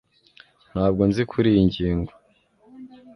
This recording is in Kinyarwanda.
Ntabwo nzi kuriyi ngingo